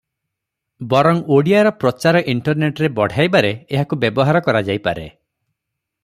ବରଂ ଓଡ଼ିଆର ପ୍ରଚାର ଇଣ୍ଟରନେଟରେ ବଢ଼ାଇବାରେ ଏହାକୁ ବ୍ୟବହାର କରାଯାଇପାରେ ।